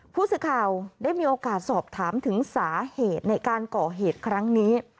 ผู้สื่อข่าวได้มีโอกาสสอบถามถึงสาเหตุในการก่อเหตุครั้งนี้